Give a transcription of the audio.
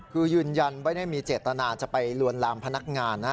คือยืนยันไม่ได้มีเจตนาจะไปลวนลามพนักงานนะ